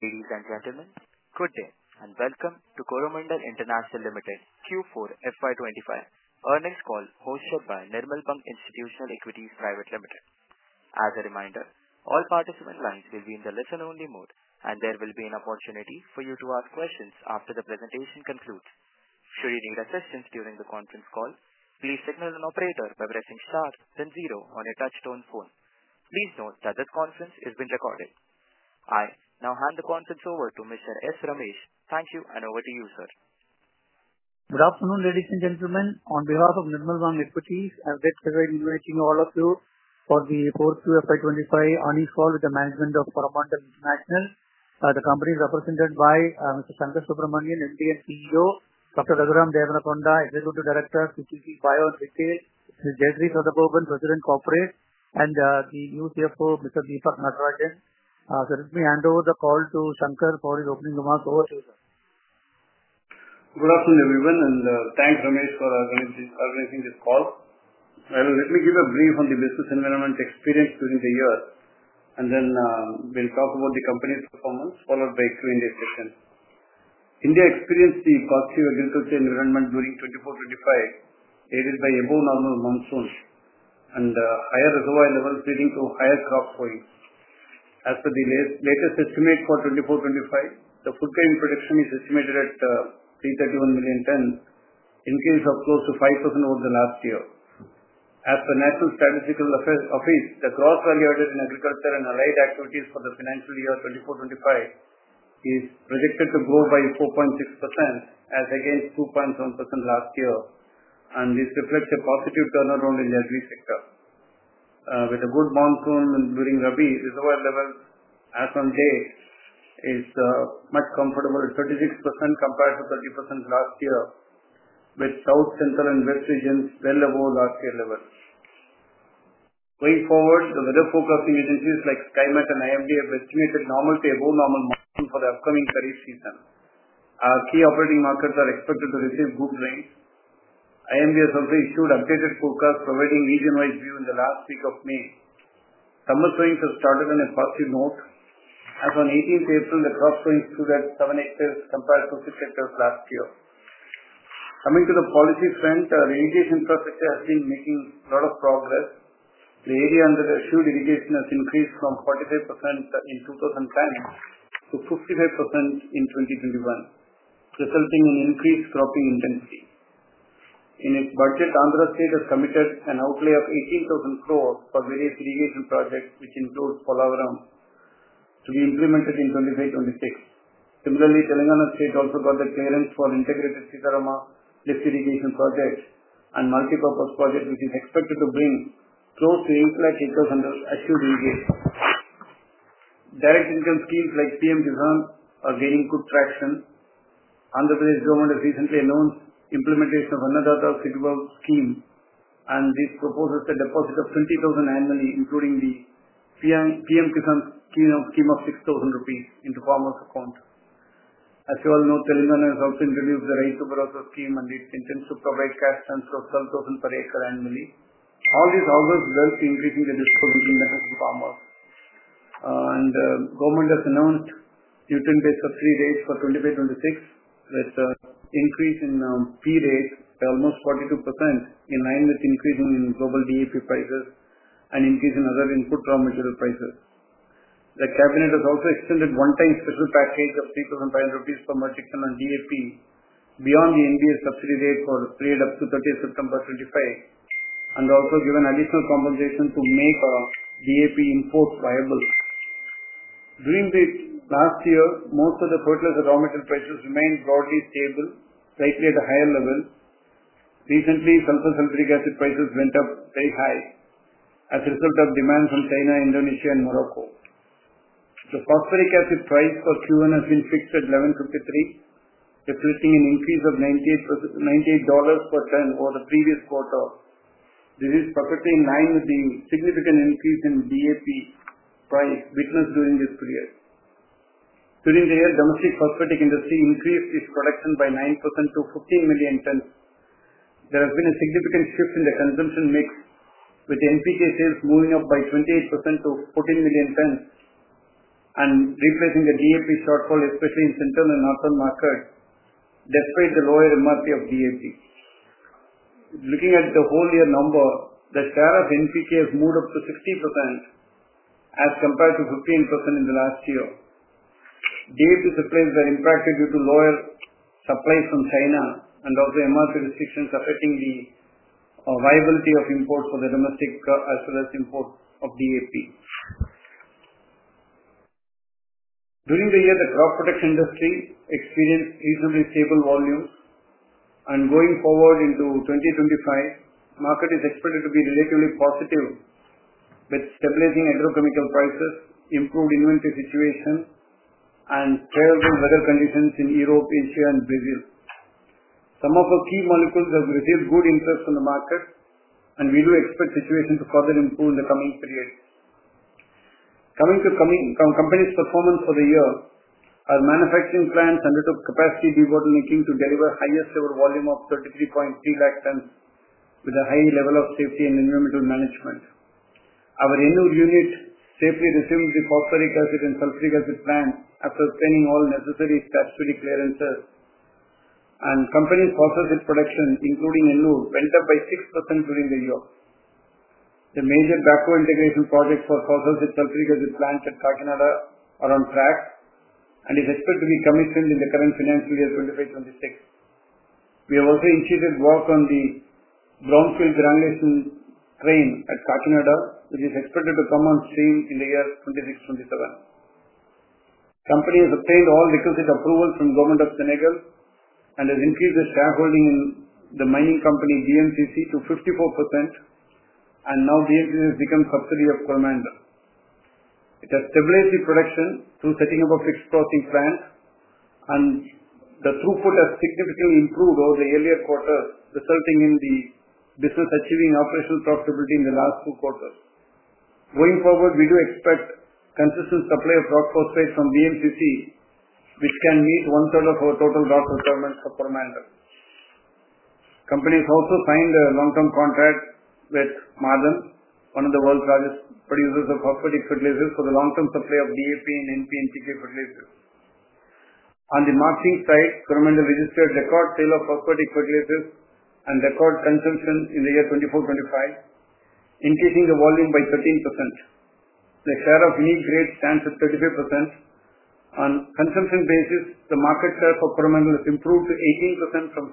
Ladies and gentlemen, good day and welcome to Coromandel International Limited, Q4 FY 2025 earnings call hosted by Nirmal Bang Institutional Equities Private Limited. As a reminder, all participant lines will be in the listen-only mode, and there will be an opportunity for you to ask questions after the presentation concludes. Should you need assistance during the conference call, please signal an operator by pressing star, then zero on your touch-tone phone. Please note that this conference is being recorded. I now hand the conference over to Mr. S. Ramesh. Thank you, and over to you, sir. Good afternoon, ladies and gentlemen. On behalf of Nirmal Bang Equities, I'm very pleased to be meeting all of you for the Q4 FY 2025 earnings call with the management of Coromandel International. The company is represented by Mr. Sankarasubramanian, MD and CEO; Dr. Raghuram Devarakonda, Executive Director, CPC Bio and Retail; Ms. Jayashree Satagopan, President Corporate; and the new CFO, Mr. Deepak Natarajan. Let me hand over the call to Sankar for his opening remarks. Over to you, sir. Good afternoon, everyone, and thanks, Ramesh, for organizing this call. Let me give a brief on the business environment experience during the year, and then we'll talk about the company's performance, followed by a Q&A session. India experienced the positive agriculture environment during 2024,2025, aided by above-normal monsoons and higher reservoir levels leading to higher crop growing. As per the latest estimate for 2024,2025, the food grain production is estimated at 331 million tons, increased close to 5% over last year. As per the National Statistical Office, the gross value added in agriculture and allied activities for the financial year 2024,2025 is projected to grow by 4.6%, as against 2.7% last year, and this reflects a positive turnaround in the agri-sector. With a good monsoon during Rabi, reservoir levels as of date are much more comfortable at 36% compared to 30% last year, with South, Central, and West regions well above last year's levels. Going forward, the weather forecasting agencies like Skymet and IMD have estimated normal to above-normal monsoon for the upcoming Kharif season. Our key operating markets are expected to receive good rains. IMD has also issued updated forecasts, providing a region-wide view in the last week of May. Summer sowings have started on a positive note, as on 18th April, the crop sowings stood at 7 acres compared to 6 acres last year. Coming to the policy front, the irrigation infrastructure has been making a lot of progress. The area under assured irrigation has increased from 45% in 2010-55% in 2021, resulting in increased cropping intensity. In its budget, Andhra Pradesh has committed an outlay of 18,000 crores for various irrigation projects, which include Polavaram, to be implemented in 2025,2026. Similarly, Telangana has also got the clearance for the integrated Sitarama lift irrigation project and multi-purpose project, which is expected to bring close to 800,000 acres under assured irrigation. Direct income schemes like PM-KISAN are gaining good traction. Andhra Pradesh government has recently announced the implementation of another suitable scheme, and this proposes a deposit of 20,000 annually, including the PM-KISAN scheme of 6,000 rupees into farmers' accounts. As you all know, Telangana has also introduced the Rythu Bandhu scheme, and it intends to provide a cash transfer of 12,000 per acre annually. All these measures will help in increasing the disposable income for farmers. The government has announced a new nutrient-based subsidy rate for 2025,2026, with an increase in fee rates by almost 42%, in line with the increase in global DAP prices and increase in other input raw material prices. The cabinet has also extended a one-time special package of 3,500 rupees per metric tons on DAP, beyond the NBS subsidy rate for a period up to 30th September 2025, and also given additional compensation to make DAP imports viable. During the last year, most of the fertilizer raw material prices remained broadly stable, likely at a higher level. Recently, sulfur and sulfuric acid prices went up very high as a result of demand from China, Indonesia, and Morocco. The phosphoric acid price per kilo has been fixed at 11.53, reflecting an increase of $98 per ton over the previous quarter. This is perfectly in line with the significant increase in DAP price witnessed during this period. During the year, the domestic phosphatic industry increased its production by 9% to 15 million tons. There has been a significant shift in the consumption mix, with NPK sales moving up by 28% to 14 million tons and replacing the DAP shortfall, especially in central and northern markets, despite the lower MRP of DAP. Looking at the whole year number, the share of NPK has moved up to 60% as compared to 15% in the last year. DAP supplies were impacted due to lower supplies from China and also MRP restrictions affecting the viability of imports for the domestic as well as imports of DAP. During the year, the crop production industry experienced reasonably stable volumes, and going forward into 2025, the market is expected to be relatively positive, with stabilizing agrochemical prices, improved inventory situation, and favorable weather conditions in Europe, Asia, and Brazil. Some of our key molecules have received good interest from the market, and we do expect the situation to further improve in the coming period. Coming to the company's performance for the year, our manufacturing plants undertook capacity de-bottlenecking to deliver a higher silver volume of 33.3 lakh tons, with a high level of safety and environmental management. Our Ennore unit safely resumed the phosphoric acid and sulfuric acid plants after obtaining all necessary statutory clearances, and the company's phosphorus production including Ennore went up by 6% during the year. The major backward integration projects for phosphorus and sulfuric acid plants at Kakinada are on track and are expected to be commissioned in the current financial year 2025,2026. We have also initiated work on the brownfield granulation train at Kakinada, which is expected to come on stream in the year 2026,2027. The company has obtained all requisite approvals from the Government of Senegal and has increased the shareholding in the mining company BMCC to 54%, and now BMCC has become a subsidiary of Coromandel. It has stabilized the production through setting up a fixed processing plant, and the throughput has significantly improved over the earlier quarters, resulting in the business achieving operational profitability in the last two quarters. Going forward, we do expect a consistent supply of rock phosphate from BMCC, which can meet one-third of our total rock requirements for Coromandel. The company has also signed a long-term contract with Ma'aden, one of the world's largest producers of phosphatic fertilizers, for the long-term supply of DAP and NP and PK fertilizers. On the marketing side, Coromandel registered record sales of phosphatic fertilizers and record consumption in the year 2024,2025, increasing the volume by 13%. The share of unique grade stands at 35%. On a consumption basis, the market share for Coromandel has improved to 18% from 15%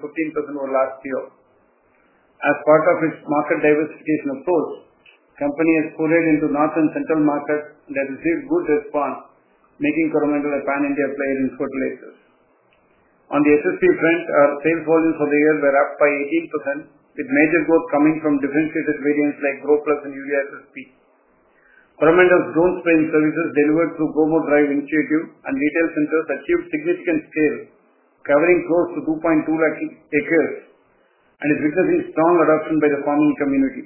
over the last year. As part of its market diversification approach, the company has pulled into north and central markets and has received good response, making Coromandel a pan-India player in fertilizers. On the SSP front, our sales volumes for the year were up by 18%, with major growth coming from differentiated variants like GrowPlus and UVSSP. Coromandel's drone spraying services delivered through Gromor Drive initiative and retail centers achieved significant sales, covering close to 2.2 lakh acres, and is witnessing strong adoption by the farming community.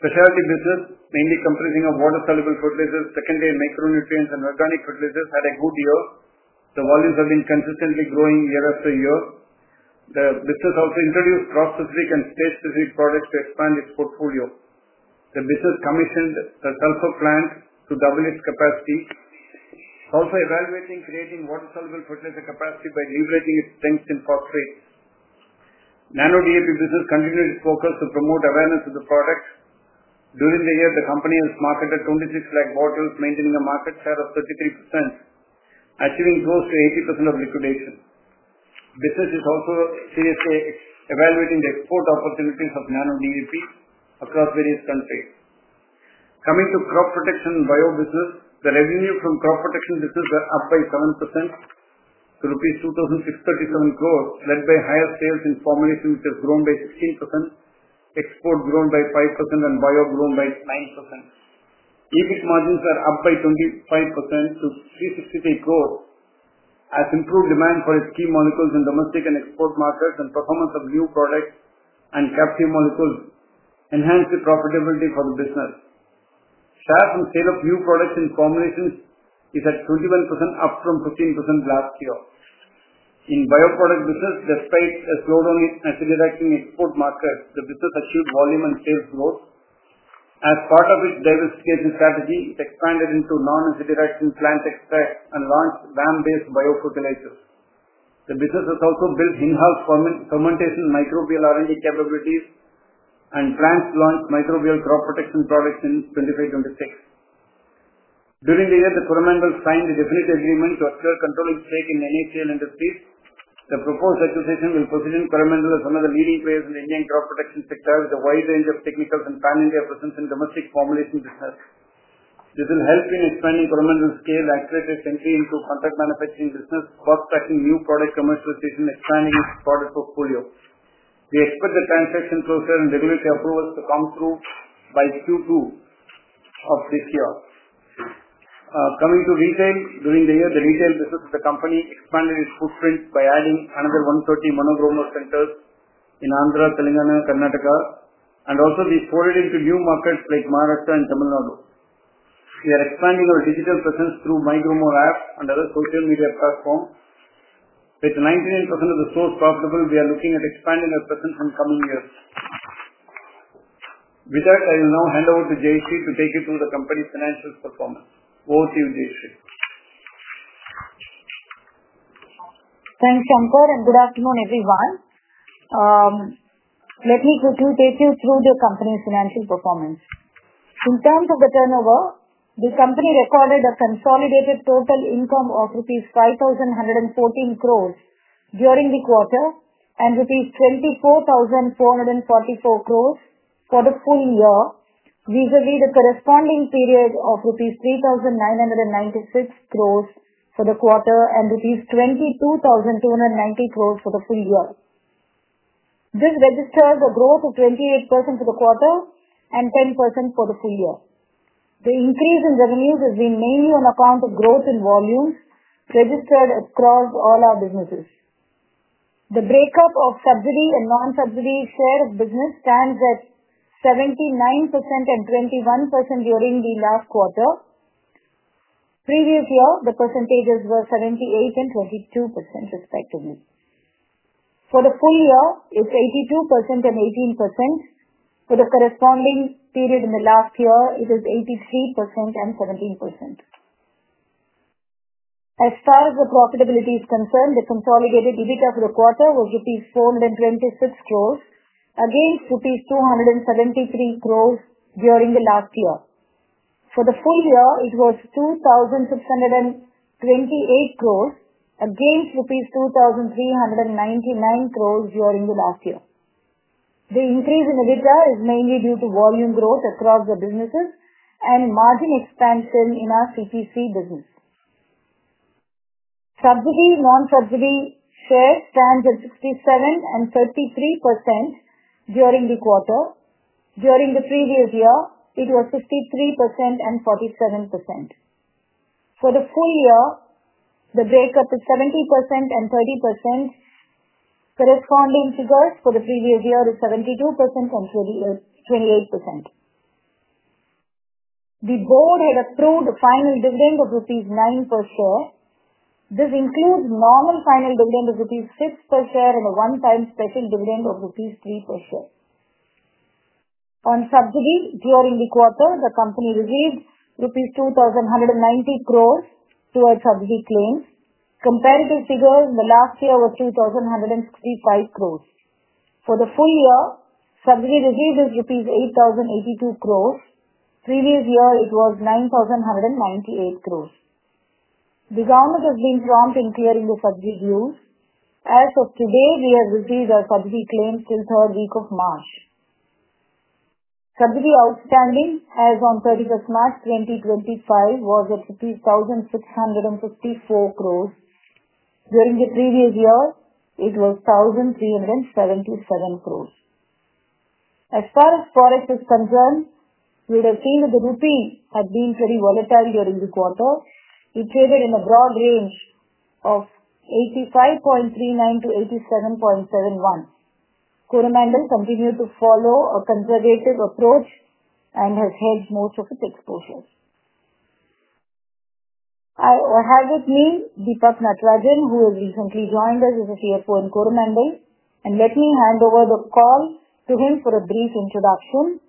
Specialty business, mainly comprising water-soluble fertilizers, secondary micronutrients, and organic fertilizers, had a good year. The volumes have been consistently growing year after year. The business also introduced crop-specific and state-specific products to expand its portfolio. The business commissioned the sulfur plant to double its capacity, also evaluating creating water-soluble fertilizer capacity by leveraging its strength in phosphates. Nano DAP business continued its focus to promote awareness of the product. During the year, the company has marketed 26 lakh bottles, maintaining a market share of 33%, achieving close to 80% of liquidation. The business is also seriously evaluating the export opportunities of Nano DAP across various countries. Coming to crop protection and bio business, the revenue from crop protection business was up by 7% to rupees 2,637 crores, led by higher sales in formulation, which has grown by 16%, export grown by 5%, and bio grown by 9%. EBIT margins were up by 25% to 363 crores, as improved demand for its key molecules in domestic and export markets and performance of new products and captive molecules enhanced the profitability for the business. Share from sale of new products in formulations is at 21%, up from 15% last year. In bioproduct business, despite a slowdown in acid reacting export markets, the business achieved volume and sales growth. As part of its diversification strategy, it expanded into non-acid reacting plant extracts and launched VAM-based biofertilizers. The business has also built in-house fermentation microbial R&D capabilities and plants launched microbial crop protection products in 2025,2026. During the year, Coromandel signed a definitive agreement to acquire controlling stake in NACL Industries. The proposed acquisition will position Coromandel as one of the leading players in the Indian crop protection sector, with a wide range of technicals and pan-India presence in domestic formulation business. This will help in expanding Coromandel's scale, accelerate its entry into contract manufacturing business, fast-tracking new product commercialization, and expanding its product portfolio. We expect the transaction process and regulatory approvals to come through by Q2 of this year. Coming to retail, during the year, the retail business of the company expanded its footprint by adding another 130 Mana Gromor centers in Andhra Pradesh, Telangana, and Karnataka, and also being ported into new markets like Maharashtra and Tamil Nadu. We are expanding our digital presence through Mana Gromor app and other social media platforms. With 99% of the stores profitable, we are looking at expanding our presence in the coming years. With that, I will now hand over to Jayashree to take you through the company's financial performance. Over to you, Jayashree. Thanks, Sankar, and good afternoon, everyone. Let me quickly take you through the company's financial performance. In terms of the turnover, the company recorded a consolidated total income of INR 5,114 crores during the quarter and INR 24,444 crores for the full year, vis-à-vis the corresponding period of INR 3,996 crores for the quarter and INR 22,290 crores for the full year. This registers a growth of 28% for the quarter and 10% for the full year. The increase in revenues has been mainly on account of growth in volumes registered across all our businesses. The breakup of subsidy and non-subsidy share of business stands at 79% and 21% during the last quarter. Previous year, the percentages were 78% and 22%, respectively. For the full year, it's 82% and 18%. For the corresponding period in the last year, it is 83% and 17%. As far as the profitability is concerned, the consolidated EBIT of the quarter was rupees 426 crores, against rupees 273 crores during the last year. For the full year, it was 2,628 crores rupees, against rupees 2,399 crores during the last year. The increase in EBITDA is mainly due to volume growth across the businesses and margin expansion in our CPC business. Subsidy/non-subsidy share stands at 67% and 33% during the quarter. During the previous year, it was 53% and 47%. For the full year, the breakup is 70% and 30%. Corresponding figures for the previous year are 72% and 28%. The board had approved a final dividend of rupees 9 per share. This includes normal final dividend of rupees 6 per share and a one-time special dividend of rupees 3 per share. On subsidy during the quarter, the company received rupees 2,190 crores towards subsidy claims. Comparative figures in the last year were 2,165 crores. For the full year, subsidy received is rupees 8,082 crores. Previous year, it was 9,198 crores. The government has been prompt in clearing the subsidy dues. As of today, we have received our subsidy claims till the third week of March. Subsidy outstanding as of 31st March 2025 was at 1,654 crores. During the previous year, it was 1,377 crores. As far as forex is concerned, you would have seen that the rupee had been very volatile during the quarter. It traded in a broad range of 85.39-87.71. Coromandel continued to follow a conservative approach and has hedged most of its exposures. I have with me Deepak Natarajan, who has recently joined us as CFO in Coromandel, and let me hand over the call to him for a brief introduction.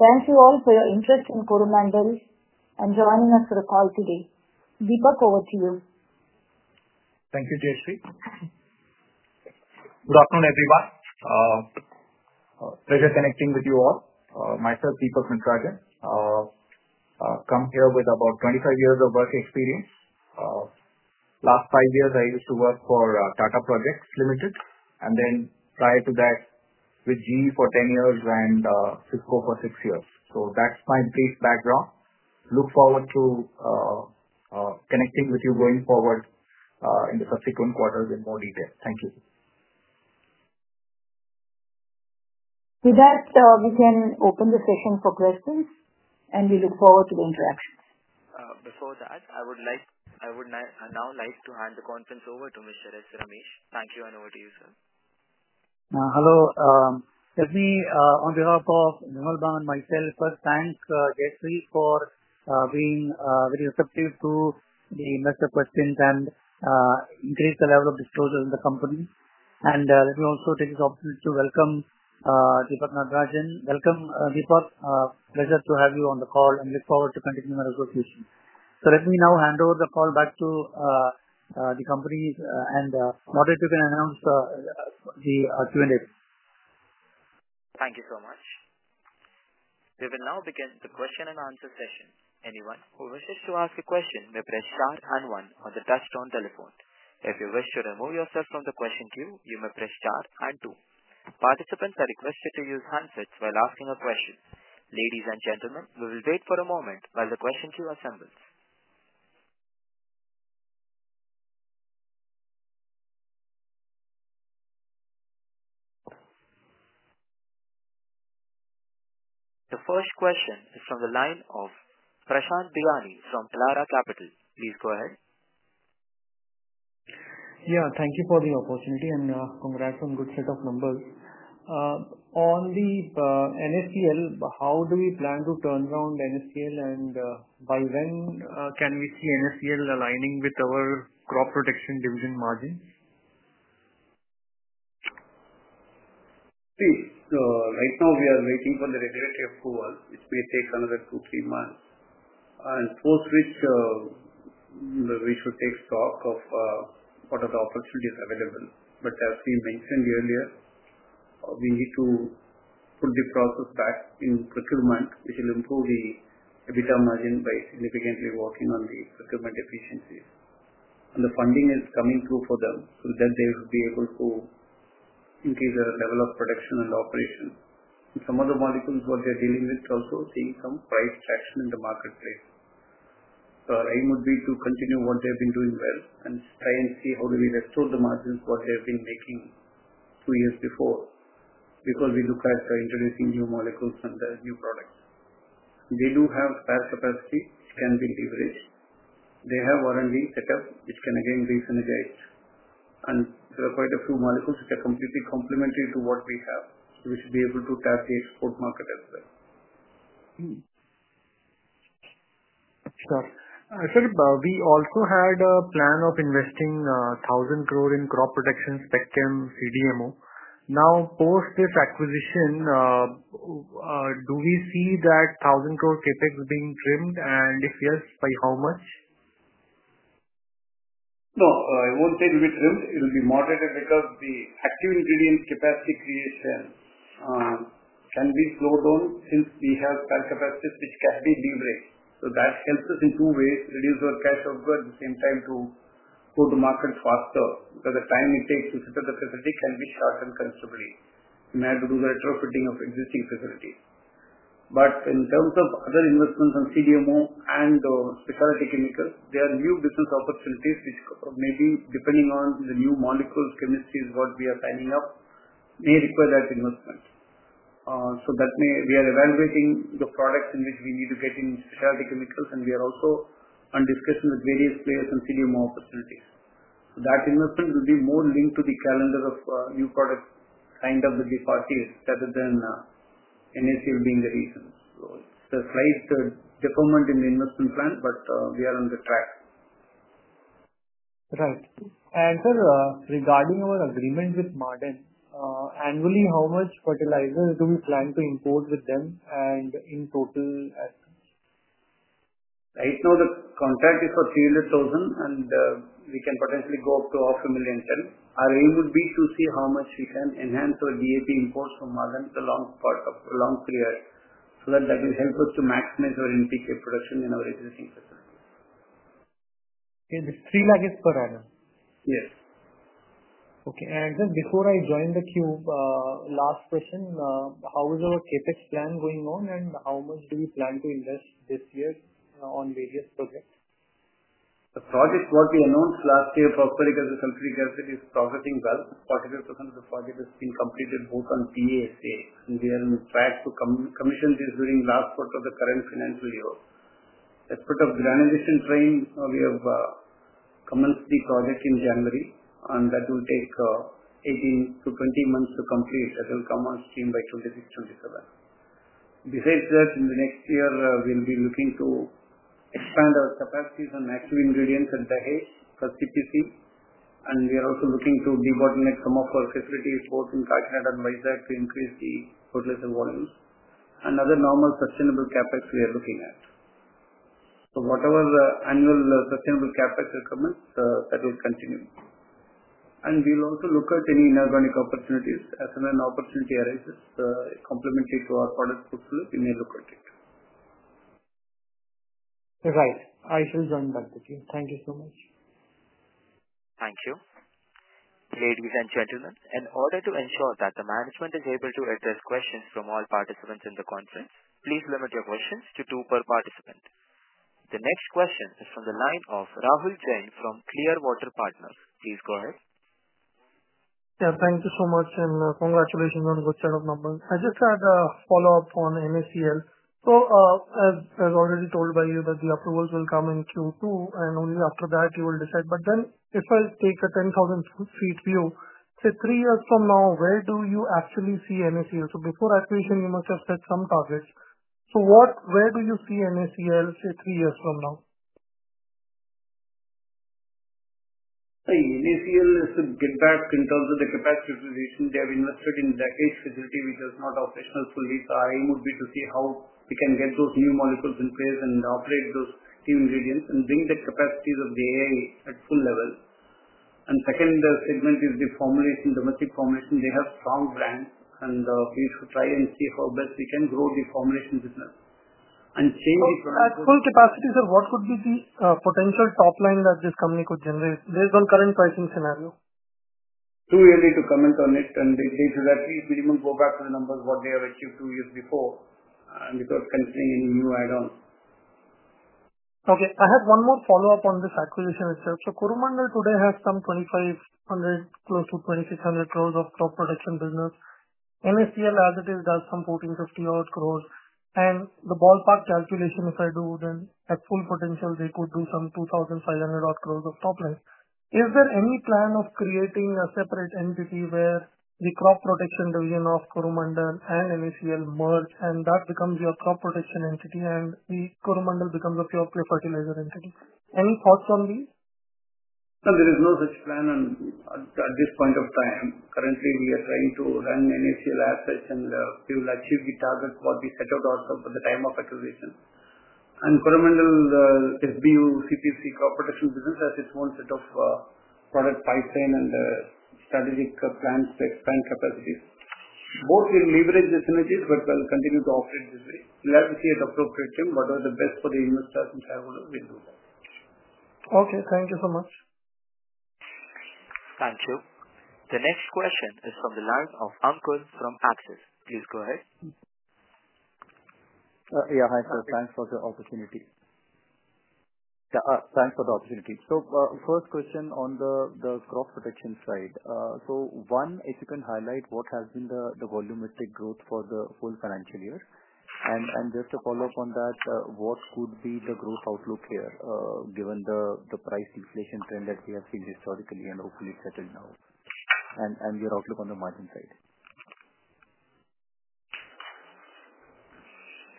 Thank you all for your interest in Coromandel and joining us for the call today. Deepak, over to you. Thank you, Jayashree. Good afternoon, everyone. Pleasure connecting with you all. Myself, Deepak Natarajan, come here with about 25 years of work experience. Last five years, I used to work for Tata Projects Limited, and then prior to that with GE for 10 years and Cisco for six years. That is my brief background. Look forward to connecting with you going forward in the subsequent quarters in more detail. Thank you. With that, we can open the session for questions, and we look forward to the interactions. Before that, I would now like to hand the conference over to Mr. S. Ramesh. Thank you, and over to you, sir. Hello. Let me, on behalf of Nirmal Bang and myself, first thank Jayashree for being very receptive to the investor questions and increase the level of disclosures in the company. Let me also take this opportunity to welcome Deepak Natarajan. Welcome, Deepak. Pleasure to have you on the call, and look forward to continuing our discussion. Let me now hand over the call back to the company, and later you can announce the Q&A. Thank you so much. We will now begin the question and answer session. Anyone who wishes to ask a question may press star and one on the touchstone telephone. If you wish to remove yourself from the question queue, you may press star and two. Participants are requested to use handsets while asking a question. Ladies and gentlemen, we will wait for a moment while the question queue assembles. The first question is from the line of Prashant Biyani from Elara Capital. Please go ahead. Yeah, thank you for the opportunity, and congrats on a good set of numbers. On the NACL, how do we plan to turn NACL, and by when can we see NACL aligning with our crop protection division margins? See, right now we are waiting for the regulatory approval, which may take another two, three months, and post which we should take stock of what are the opportunities available. As we mentioned earlier, we need to put the process back in procurement, which will improve the EBITDA margin by significantly working on the procurement efficiencies. The funding is coming through for them so that they will be able to increase their level of production and operation. Some of the molecules what they're dealing with also seeing some price traction in the marketplace. Our aim would be to continue what they've been doing well and try and see how do we restore the margins what they've been making two years before because we look at introducing new molecules and the new products. They do have spare capacity, which can be leveraged. They have R&D setup, which can again be synergized. There are quite a few molecules which are completely complementary to what we have, which will be able to tap the export market as well. Sure. Sir, we also had a plan of investing 1,000 crore in crop protection spectrum CDMO. Now, post this acquisition, do we see that 1,000 crore CapEx being trimmed, and if yes, by how much? No, I won't say it will be trimmed. It will be moderated because the active ingredient capacity creation can be slowed down since we have spare capacities which can be leveraged. That helps us in two ways: reduce our cash overload at the same time to go to market faster because the time it takes to set up the facility can be shortened considerably. We may have to do the retrofitting of existing facilities. In terms of other investments on CDMO and specialty chemicals, there are new business opportunities which may be, depending on the new molecules, chemistries, what we are signing up, may require that investment. That may we are evaluating the products in which we need to get in specialty chemicals, and we are also on discussion with various players on CDMO opportunities. That investment will be more linked to the calendar of new products signed up with the parties rather than NACL being the reason. It is a slight deferment in the investment plan, but we are on the track. Right. Sir, regarding our agreement with Ma'aden, annually, how much fertilizer do we plan to import with them and in total? Right now, the contract is for 300,000, and we can potentially go up to 500,000. Our aim would be to see how much we can enhance our DAP imports from Ma'aden for the long period so that that will help us to maximize our NPK production in our existing facility. Is it INR 300,000 per annum? Yes. Okay. Sir, before I join the queue, last question. How is our CapEx plan going on, and how much do we plan to invest this year on various projects? The project what we announced last year for fertilizer sulfuric acid is progressing well. 45% of the project has been completed both on PA-SA, and we are on track to commission this during the last quarter of the current financial year. As part of granulation train, we have commenced the project in January, and that will take 18-20 months to complete. That will come on stream by 2026,2027. Besides that, in the next year, we'll be looking to expand our capacities on active ingredients at Dahej for CPC, and we are also looking to de-bottleneck some of our facilities both in Karnataka and Visakhapatnam to increase the fertilizer volumes. Other normal sustainable CapEx, we are looking at. Whatever the annual sustainable CapEx requirements, that will continue. We will also look at any inorganic opportunities. As soon as an opportunity arises complementary to our product portfolio, we may look at it. Right. I shall join back with you. Thank you so much. Thank you. Ladies and gentlemen, in order to ensure that the management is able to address questions from all participants in the conference, please limit your questions to two per participant. The next question is from the line of Rahul Jain from Clearwater Partners. Please go ahead. Yeah, thank you so much, and congratulations on a good set of numbers. I just had a follow-up on NSCL. As already told by you, the approvals will come in Q2, and only after that you will decide. If I take a 10,000-foot view, say three years from now, where do you actually see NSCL? Before acquisition, you must have set some targets. Where do you see NSCL, say three years from now? NSCL is to get back in terms of the capacity utilization. They have invested in Dahej facility, which is not operational fully. Our aim would be to see how we can get those new molecules in place and operate those new ingredients and bring the capacities of the AI at full level. The second segment is the formulation, domestic formulation. They have strong brands, and we should try and see how best we can grow the formulation business and change the. At full capacity, sir, what could be the potential top line that this company could generate based on current pricing scenario? Too early to comment on it, and they should at least minimum go back to the numbers what they have achieved two years before without considering any new add-ons. Okay. I have one more follow-up on this acquisition itself. Coromandel today has some 2,500 crore, close to 2,600 crore of crop protection business. NSCL as it is does some 1,450-odd crore. The ballpark calculation, if I do, then at full potential, they could do some 2,500-odd crore of top line. Is there any plan of creating a separate entity where the crop protection division of Coromandel and NSCL merge, and that becomes your crop protection entity, and Coromandel becomes a pure-play fertilizer entity? Any thoughts on these? No, there is no such plan at this point of time. Currently, we are trying to run NACL assets, and we will achieve the target what we set out also for the time of acquisition. Coromandel SBU CPC crop protection business has its own set of product pipeline and strategic plans to expand capacities. Both will leverage the synergies, but we will continue to operate this way. We will have to see at appropriate time what are the best for the investors, and we will do that. Okay. Thank you so much. Thank you. The next question is from the line of Ankur from Axis. Please go ahead. Yeah, hi sir. Thanks for the opportunity. First question on the crop production side. One, if you can highlight what has been the volumetric growth for the full financial year. Just to follow up on that, what could be the growth outlook here given the price inflation trend that we have seen historically and hopefully settled now? Your outlook on the margin side?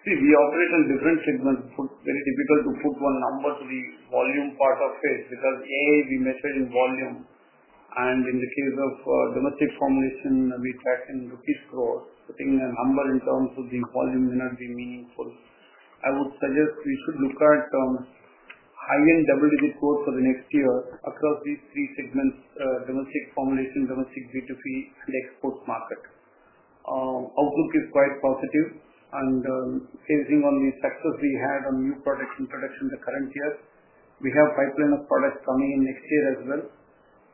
See, we operate on different segments. It's very difficult to put one number to the volume part of it because, A, we measure in volume. In the case of domestic formulation, we track in rupees per hour. Putting a number in terms of the volume may not be meaningful. I would suggest we should look at high-end double-digit growth for the next year across these three segments: domestic formulation, domestic B2B, and export market. Outlook is quite positive. Basing on the success we had on new product introduction the current year, we have a pipeline of products coming in next year as well,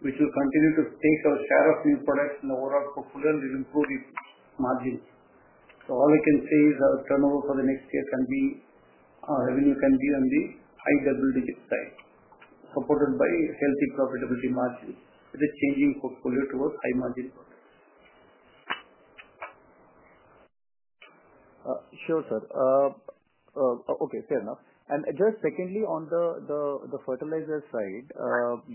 which will continue to take our share of new products in the overall portfolio and will improve margins. All I can say is our turnover for the next year, our revenue can be on the high double-digit side, supported by healthy profitability margins with a changing portfolio towards high-margin products. Sure, sir. Okay, fair enough. Just secondly, on the fertilizer side,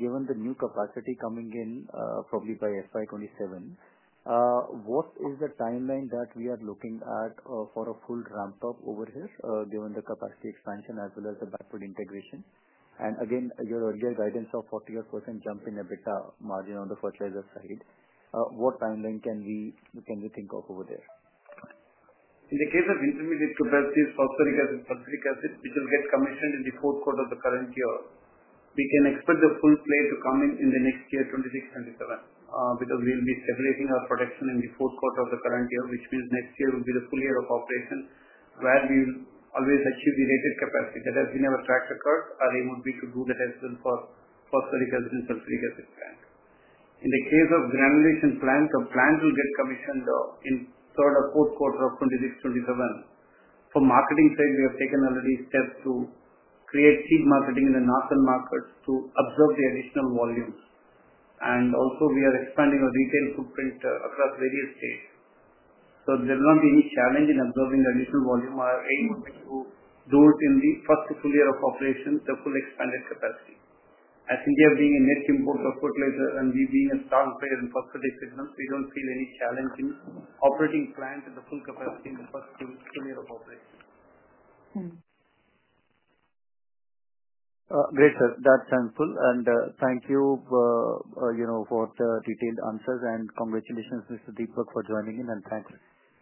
given the new capacity coming in probably by FY 2027, what is the timeline that we are looking at for a full ramp-up over here given the capacity expansion as well as the backward integration? Again, your earlier guidance of 48% jump in EBITDA margin on the fertilizer side, what timeline can we think of over there? In the case of intermediate capacities, phosphoric acid, sulfuric acid, which will get commissioned in the Q4 of the current year, we can expect the full play to come in in the next year, 2026,2027, because we'll be separating our production in the Q4 of the current year, which means next year will be the full year of operation where we will always achieve the rated capacity. That has been our track record. Our aim would be to do that as well for phosphoric acid and sulfuric acid plant. In the case of granulation plant, the plant will get commissioned in third or Q4 of 2026,2027. From marketing side, we have taken already steps to create seed marketing in the northern markets to absorb the additional volumes. We are expanding our retail footprint across various states. There will not be any challenge in absorbing the additional volume. Our aim would be to do it in the first full year of operation, the full expanded capacity. As India being a net import of fertilizer and we being a strong player in phosphatic segments, we do not feel any challenge in operating plant at the full capacity in the first full year of operation. Great, sir. That's helpful. Thank you for the detailed answers. Congratulations, Mr. Deepak, for joining in. Thanks,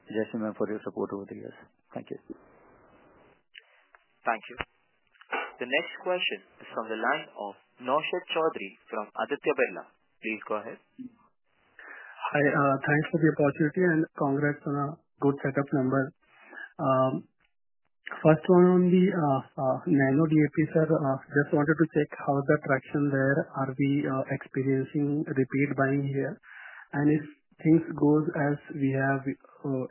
Jayashree, for your support over the years. Thank you. Thank you. The next question is from the line of Naushad Chaudhary from Aditya Birla. Please go ahead. Hi. Thanks for the opportunity and congrats on a good setup number. First one on the Nano DAP, sir, just wanted to check how the traction there. Are we experiencing repeat buying here? If things go as we have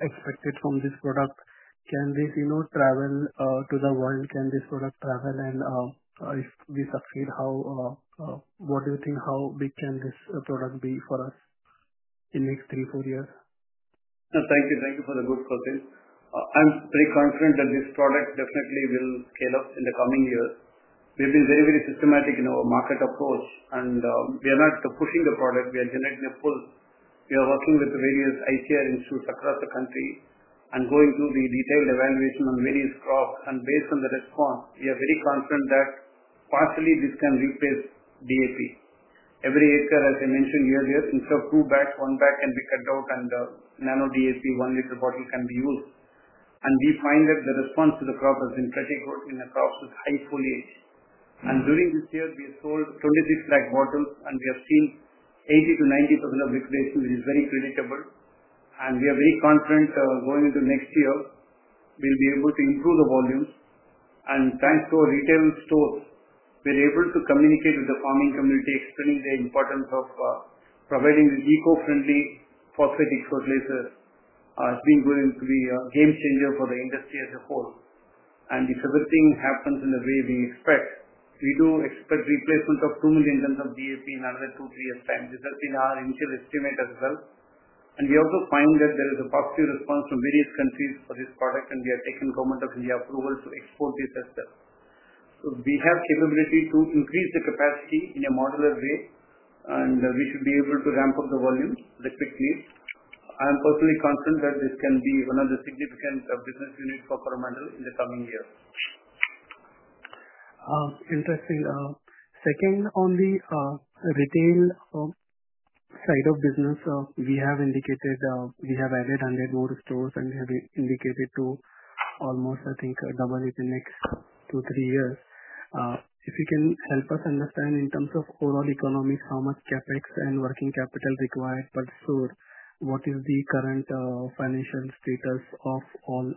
expected from this product, can this travel to the world? Can this product travel? If we succeed, what do you think how big can this product be for us in the next three, four years? No, thank you. Thank you for the good questions. I'm pretty confident that this product definitely will scale up in the coming years. We've been very, very systematic in our market approach, and we are not pushing the product. We are generating a pull. We are working with various ICAR institutes across the country and going through the detailed evaluation on various crops. Based on the response, we are very confident that partially this can replace DAP. Every acre, as I mentioned earlier, instead of two bags, one bag can be cut out, and Nano DAP, one-liter bottle can be used. We find that the response to the crop has been pretty good in the crops with high foliage. During this year, we sold 2.6 million bottles, and we have seen 80%-90% of liquidation, which is very creditable. We are very confident going into next year, we'll be able to improve the volumes. Thanks to our retail stores, we're able to communicate with the farming community, explaining the importance of providing the eco-friendly phosphatic fertilizers. It is going to be a game changer for the industry as a whole. If everything happens in the way we expect, we do expect replacement of 2 million tons of DAP in another two to three years' time. This has been our initial estimate as well. We also find that there is a positive response from various countries for this product, and we have taken Government of India approval to export this as well. We have capability to increase the capacity in a modular way, and we should be able to ramp up the volume with a quick leap. I'm personally confident that this can be one of the significant business units for Coromandel in the coming year. Interesting. Second, on the retail side of business, we have indicated we have added 100 more stores, and we have indicated to almost, I think, double it in the next two, three years. If you can help us understand in terms of overall economics, how much CapEx and working capital required, but so, what is the current financial status of all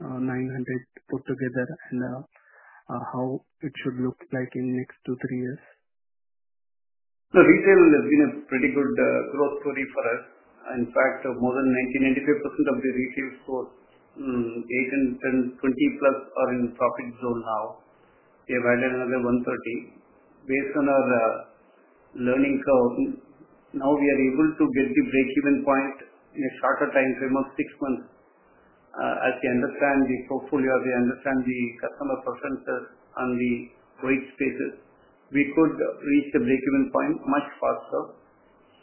900 put together, and how it should look like in the next two, three years? The retail has been a pretty good growth story for us. In fact, more than 90%-95% of the retail stores, 8 and 10, 20+ are in profit zone now. We have added another 130. Based on our learning, now we are able to get the break-even point in a shorter time frame of six months. As we understand the portfolio, as we understand the customer preferences on the weight spaces, we could reach the break-even point much faster.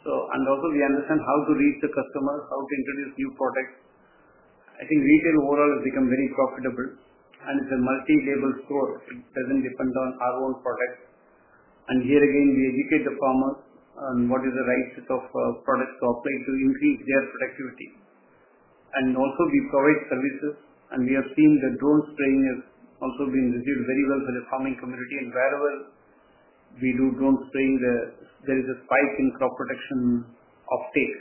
We also understand how to reach the customers, how to introduce new products. I think retail overall has become very profitable, and it's a multi-label store. It doesn't depend on our own product. Here again, we educate the farmers on what is the right set of products to operate to increase their productivity. We provide services, and we have seen the drone spraying has also been received very well for the farming community. Wherever we do drone spraying, there is a spike in crop production uptake.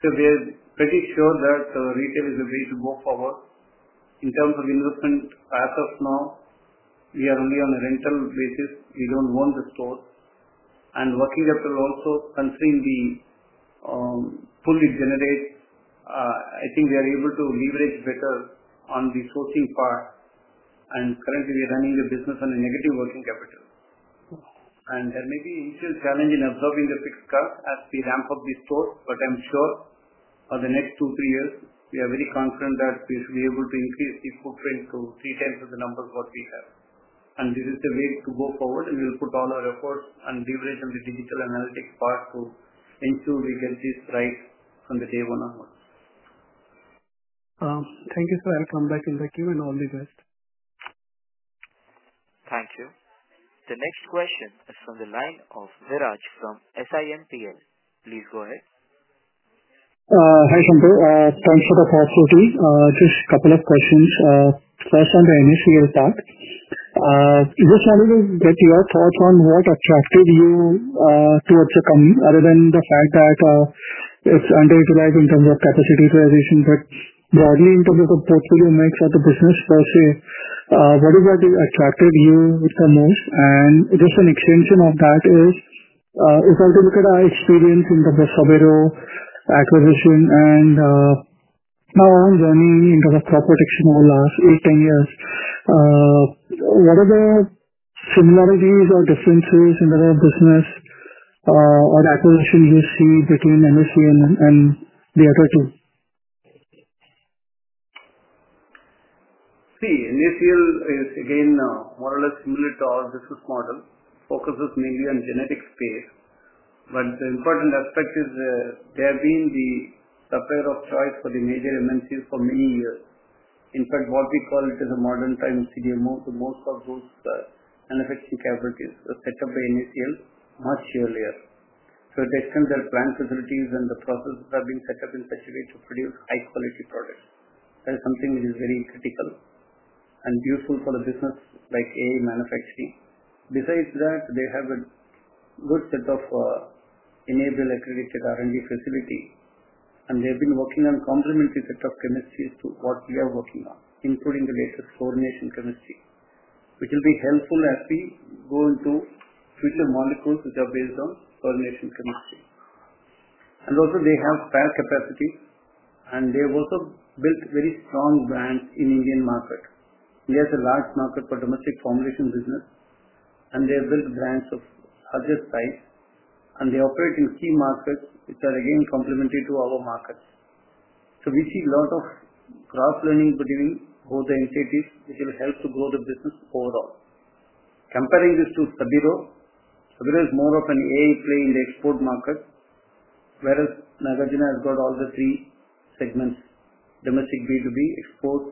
We are pretty sure that retail is the way to go forward. In terms of investment, as of now, we are only on a rental basis. We do not own the stores. Working capital also, considering the pool it generates, I think we are able to leverage better on the sourcing part. Currently, we are running the business on a negative working capital. There may be initial challenge in absorbing the fixed cost as we ramp up the stores, but I am sure for the next two to three years, we are very confident that we should be able to increase the footprint to three times the numbers we have. This is the way to go forward, and we'll put all our efforts and leverage on the digital analytics part to ensure we get this right from day one onwards. Thank you, sir. I'll come back in the queue, and all the best. Thank you. The next question is from the line of Viraj from SIMPL. Please go ahead. Hi, Sankar. Thanks for the opportunity. Just a couple of questions. First, on the NSCL part, just wanted to get your thoughts on what attracted you towards the company, other than the fact that it's underutilized in terms of capacity utilization, but broadly in terms of the portfolio mix of the business per se. What is what attracted you the most? Just an extension of that is, if I were to look at our experience in terms of Sabero acquisition, and our own journey into the crop protection over the last 8 to 10 years, what are the similarities or differences in the business or acquisition you see between NSCL and the other two? See, NSCL is again more or less similar to our business model. Focuses mainly on genetic space. The important aspect is they have been the supplier of choice for the major MNCs for many years. In fact, what we call it as a modern-time CDMO, most of those manufacturing cabinetry is set up by NSCL much earlier. It extends their plant facilities, and the processes have been set up in such a way to produce high-quality products. That is something which is very critical and useful for a business like A manufacturing. Besides that, they have a good set of enabled accredited R&D facilities, and they have been working on complementary set of chemistries to what we are working on, including the latest fluorination chemistry, which will be helpful as we go into future molecules which are based on fluorination chemistry. They have spare capacity, and they have also built very strong brands in the Indian market. India is a large market for domestic formulation business, and they have built brands of larger size, and they operate in key markets which are again complementary to our markets. We see a lot of cross-learning between both the entities, which will help to grow the business overall. Comparing this to Sabero, Sabero is more of an AI play in the export market, whereas Nagarjuna has got all the three segments: domestic B2B, export,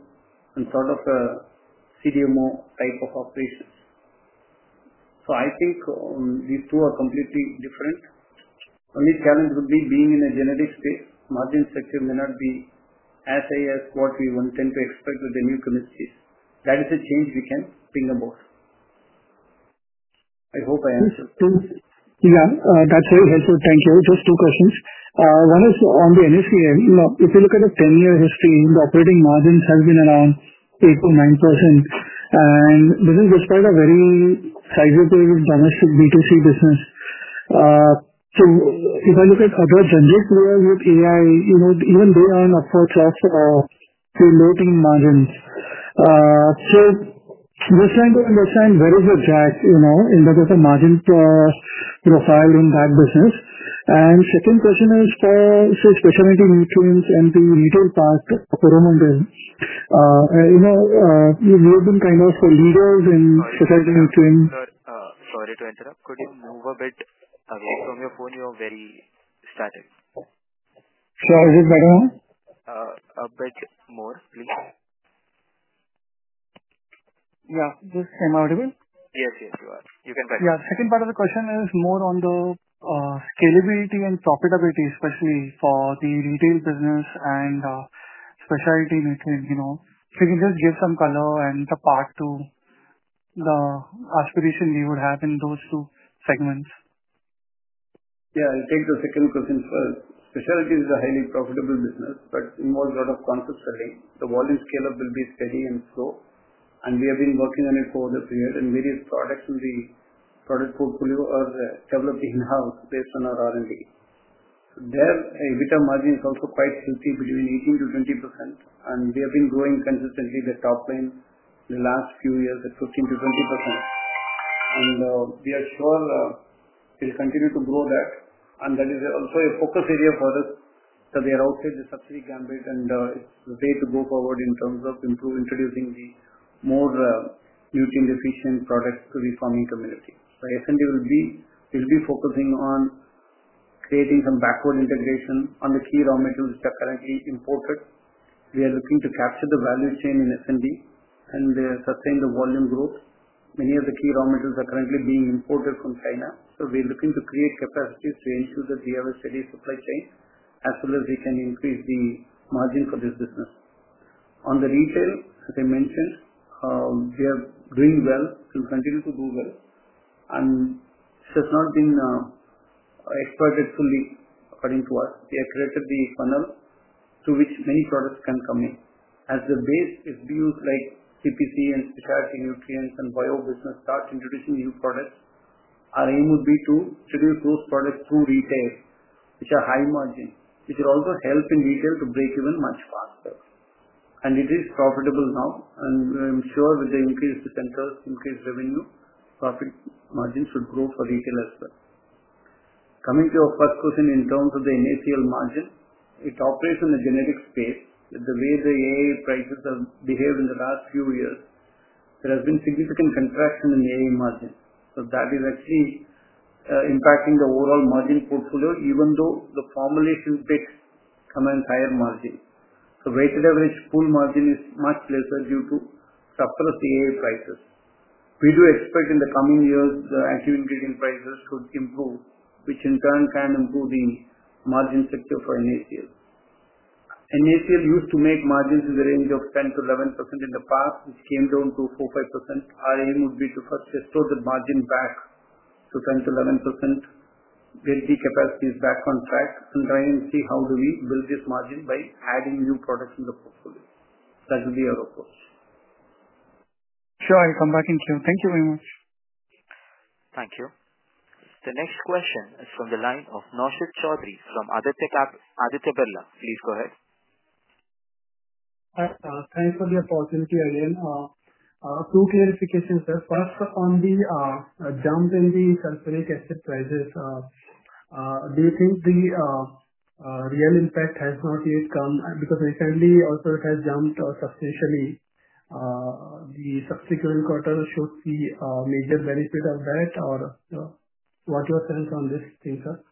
and sort of a CDMO type of operations. I think these two are completely different. Only challenge would be being in a generic space. Margin sector may not be as high as what we tend to expect with the new chemistries. That is a change we can bring about. I hope I answered that. Yeah. That's very helpful. Thank you. Just two questions. One is on the NSCL. If you look at the 10-year history, the operating margins have been around 8%-9%, and this is despite a very sizable domestic B2C business. If I look at other vendors with AI, even they are on upwards of pretty low-paying margins. Just trying to understand where is the gap in terms of the margin profile in that business. Second question is for, say, specialty nutrients and the retail part of Coromandel. You have been kind of leaders in specialty nutrient. Sorry to interrupt. Could you move a bit away from your phone? You're very static. Sure. Is it better now? A bit more, please. Yeah. Just Sam, audible? Yes, yes, you are. You can press. Yeah. Second part of the question is more on the scalability and profitability, especially for the retail business and specialty nutrient. If you can just give some color and the part to the aspiration we would have in those two segments. Yeah. I'll take the second question first. Specialty is a highly profitable business, but involves a lot of consistent selling. The volume scale-up will be steady and slow. We have been working on it for the period, and various products in the product portfolio are developed in-house based on our R&D. There, EBITDA margin is also quite healthy, between 18%-20%, and we have been growing consistently the top line in the last few years at 15%-20%. We are sure we'll continue to grow that, and that is also a focus area for us. There also, the subsidy gambit, and it's the way to go forward in terms of improving introducing the more nutrient-efficient products to the farming community. SND will be focusing on creating some backward integration on the key raw materials which are currently imported. We are looking to capture the value chain in SND and sustain the volume growth. Many of the key raw materials are currently being imported from China. We are looking to create capacities to ensure that we have a steady supply chain, as well as we can increase the margin for this business. On the retail, as I mentioned, we are doing well. We will continue to do well. It has not been exploited fully, according to us. We have created the funnel through which many products can come in. As the base is used like CPC and specialty nutrients and bio business start introducing new products, our aim would be to introduce those products through retail, which are high margin, which will also help in retail to break even much faster. It is profitable now, and I'm sure with the increase of the centers, increased revenue, profit margin should grow for retail as well. Coming to your first question in terms of the NSCL margin, it operates in the genetic space. The way the AA prices have behaved in the last few years, there has been significant contraction in the AA margin. That is actually impacting the overall margin portfolio, even though the formulation bit commands higher margin. Weighted average pool margin is much lesser due to supplier AA prices. We do expect in the coming years, the active ingredient prices should improve, which in turn can improve the margin sector for NSCL. NSCL used to make margins in the range of 10%-11% in the past, which came down to 4%-5%. Our aim would be to first restore the margin back to 10%-11%, get the capacities back on track, and try and see how do we build this margin by adding new products in the portfolio. That will be our approach. Sure. I'll come back in queue. Thank you very much. Thank you. The next question is from the line of Naushad Chaudhary from Aditya Birla. Please go ahead. Thanks for the opportunity again. Two clarifications, sir. First, on the jump in the sulfuric acid prices, do you think the real impact has not yet come? Because recently, also, it has jumped substantially. The subsequent quarter should see a major benefit of that, or what's your sense on this thing, sir?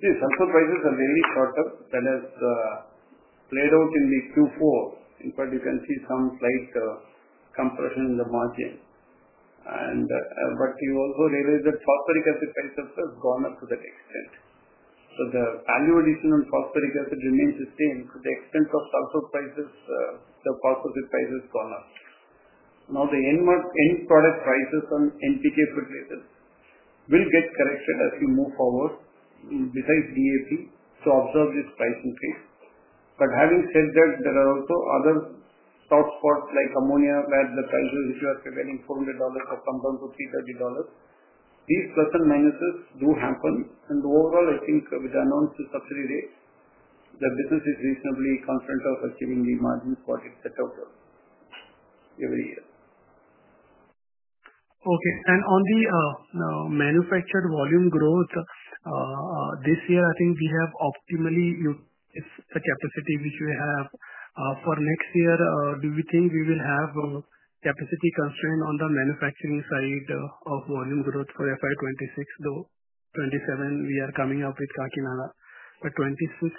Yes. Sulfur prices are really short-term, then as played out in the Q4. In fact, you can see some slight compression in the margin. You also realize that phosphoric acid prices have gone up to that extent. The value addition on phosphoric acid remains the same. To the extent of sulfur prices, the phosphoric acid price has gone up. Now, the end product prices on NPK fertilizers will get corrected as we move forward, besides DAP, to absorb this price increase. Having said that, there are also other soft spots like ammonia where the prices, if you are prevailing, $400 have come down to $330. These plus and minuses do happen. Overall, I think with the announced subsidy rate, the business is reasonably confident of achieving the margins what it set out every year. Okay. On the manufactured volume growth, this year, I think we have optimally used the capacity which we have. For next year, do we think we will have capacity constraint on the manufacturing side of volume growth for FY 2026? Twenty-seven, we are coming up with Kakinada. For 2026,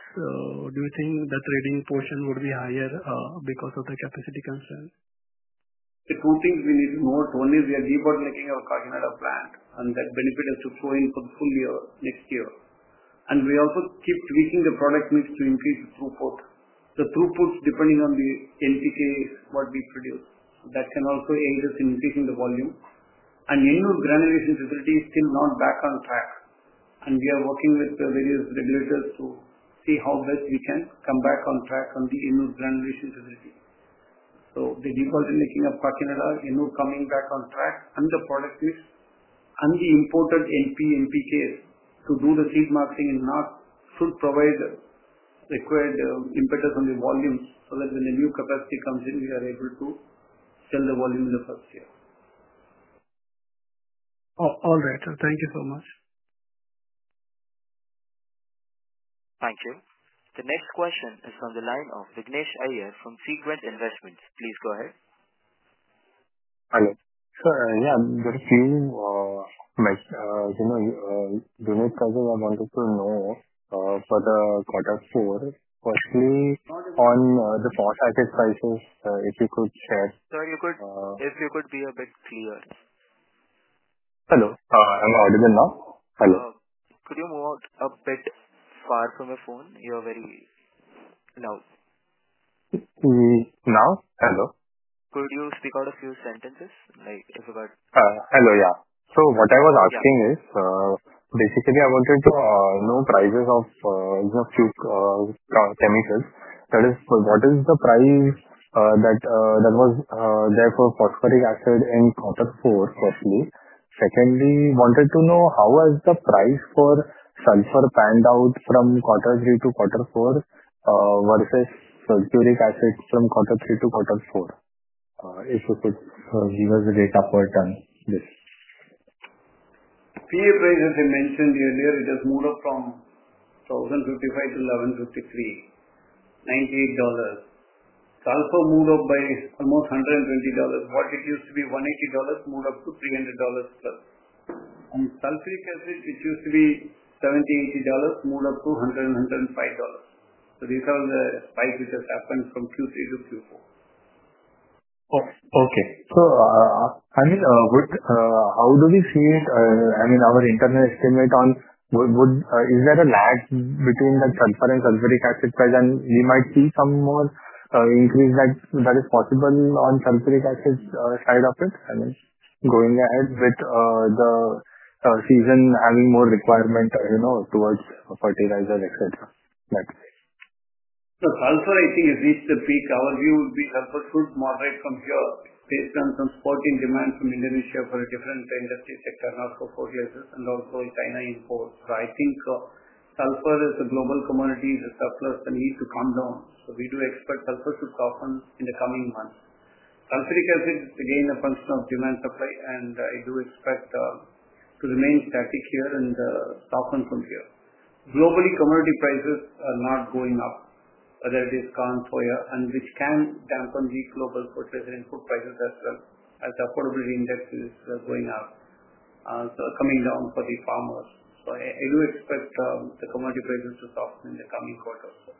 do you think the trading portion would be higher because of the capacity constraint? The two things we need to note: one is we are deburdening our Kakinada plant, and that benefit has to flow in for the full year next year. We also keep tweaking the product mix to increase the throughput. The throughput, depending on the NPK, what we produce, that can also aid us in increasing the volume. The Ennore granulation facility is still not back on track. We are working with various regulators to see how best we can come back on track on the Ennore granulation facility. The deburdening of Kakinada, Ennore coming back on track, and the product mix, and the imported NP/NPKs to do the seed marketing and not should provide the required impetus on the volumes so that when the new capacity comes in, we are able to sell the volume in the first year. All right. Thank you so much. Thank you. The next question is from the line of Vignesh Iyer from Sequent Investments. Please go ahead. Hi. Sure. Yeah. There are a few donors. Donors, I wanted to know for the quarter four, firstly, on the phosphatic prices, if you could share. Sir, if you could be a bit clear. Hello. Am I audible now? Hello. Could you move out a bit far from your phone? You're very loud. Now? Hello. Could you speak out a few sentences if you got? Hello. Yeah. What I was asking is, basically, I wanted to know prices of a few chemicals. That is, what is the price that was there for phosphoric acid in quarter four, firstly? Secondly, wanted to know how has the price for sulfur panned out from quarter three to quarter four versus sulfuric acid from quarter three to quarter four, if you could give us the data per ton this? PA price, as I mentioned earlier, it has moved up from $1,055 to $1,153, $98. Sulfur moved up by almost $120. What it used to be $180 moved up to $300+. Sulfuric acid, it used to be $70, $80, moved up to $100 and $105. These are the spikes which have happened from Q3 to Q4. Okay. So, I mean, how do we see it? I mean, our internal estimate on is there a lag between the sulfur and sulfuric acid price? And we might see some more increase that is possible on sulfuric acid side of it, I mean, going ahead with the season having more requirement towards fertilizer, etc. Look, sulfur, I think, has reached the peak. Our view would be sulfur should moderate from here based on some spot in demand from Indonesia for a different industry sector, not for fertilizers, and also China imports. I think sulfur as a global commodity is a surplus that needs to come down. We do expect sulfur to soften in the coming months. Sulfuric acid is, again, a function of demand supply, and I do expect to remain static here and soften from here. Globally, commodity prices are not going up, whether it is corn, soya, and which can dampen the global fertilizer input prices as well as the affordability index is going up, coming down for the farmers. I do expect the commodity prices to soften in the coming quarters.